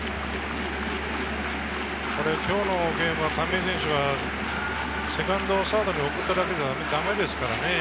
今日のゲームは亀井選手はセカンドをサードに送る形ではダメですからね。